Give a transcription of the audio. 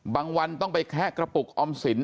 วันต้องไปแคะกระปุกออมสิน